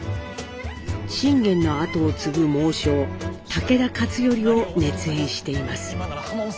信玄の跡を継ぐ猛将武田勝頼を熱演しています。